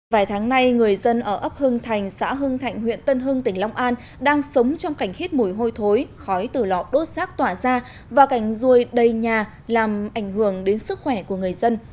vài tháng nay người dân ở ấp hưng thành xã hưng thạnh huyện tân hưng tỉnh long an đang sống trong cảnh hít mùi hôi thối khói từ lò đốt rác tỏa ra và cảnh ruồi đầy nhà làm ảnh hưởng đến sức khỏe của người dân